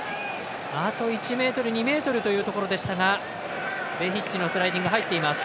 あと１ｍ、２ｍというところでしたがベヒッチのスライディング入っています。